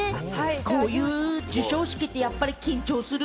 こういう授賞式って、やっぱり緊張する？